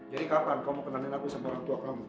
jadi kapan kamu mau kenalin aku sama orang tua kamu